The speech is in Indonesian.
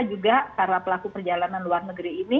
juga para pelaku perjalanan luar negeri ini